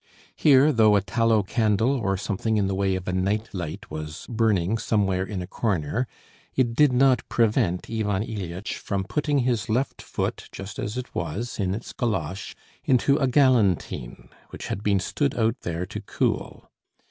Here, though a tallow candle or something in the way of a night light was burning somewhere in a corner, it did not prevent Ivan Ilyitch from putting his left foot just as it was, in its galosh, into a galantine which had been stood out there to cool.